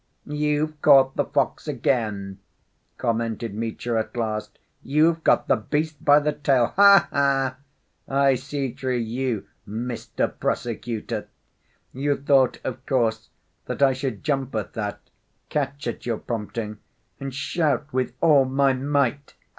"You've caught the fox again," commented Mitya at last; "you've got the beast by the tail. Ha ha! I see through you, Mr. Prosecutor. You thought, of course, that I should jump at that, catch at your prompting, and shout with all my might, 'Aie!